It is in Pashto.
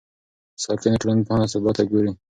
ساکنه ټولنپوهنه ثبات ته ګوري.